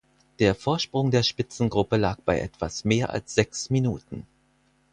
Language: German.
Der Vorsprung der Spitzengruppe lag bei etwas mehr als sechs Minuten.